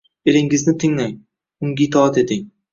Eringizni tinglang, unga itoat eting.